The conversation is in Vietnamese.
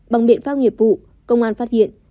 bằng biện pháp nghiệp vụ công an phát hiện